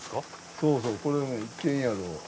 そうそうこれね一軒宿。